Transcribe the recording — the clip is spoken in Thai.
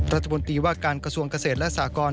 รัฐมนตรีว่าการกระทรวงเกษตรและสากร